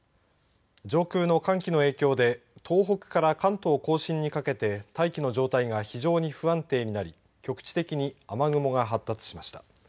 上空の寒気の影響で東北から関東甲信にかけて大気の状態が非常に不安定になり局地的に雨雲が発達しました。